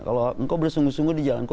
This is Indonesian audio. kalau engkau bersungguh sungguh di jalanku